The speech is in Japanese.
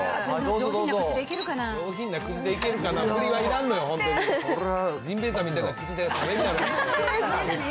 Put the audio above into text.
上品な口でいけるかなっていう振りはいらんのよ、ジンベエザメみたいな口で食べる。